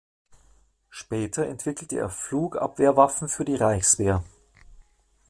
Später entwickelte er Flugabwehrwaffen für die Reichswehr.